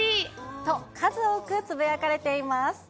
と、数多くつぶやかれています。